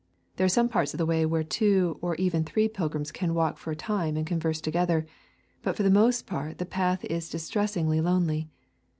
There are some parts of the way where two or even three pilgrims can for a time walk and converse together, but for the most part the path is distressingly lonely.